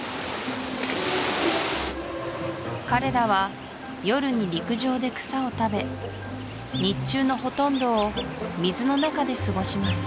彼らは夜に陸上で草を食べ日中のほとんどを水の中で過ごします